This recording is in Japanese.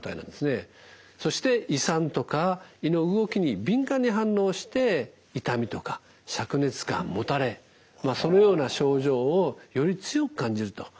そして胃酸とか胃の動きに敏感に反応して痛みとかしゃく熱感もたれそのような症状をより強く感じるということが分かっています。